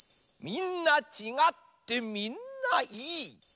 みんなちがってみんないい。